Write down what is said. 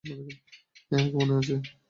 আমাকে মনে আছে?